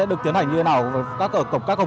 được tiến hành như thế nào